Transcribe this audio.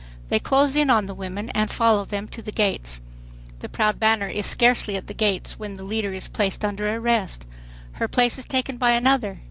They close in on the women and follow them to the gates. The proud banner is scarcely at the gates when the leader is placed under arrest. Her place is taken by another.